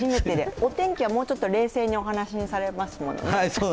お天気はもうちょっと冷静にお話しされますもんね。